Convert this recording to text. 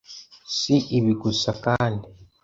Si ibi gusa kandi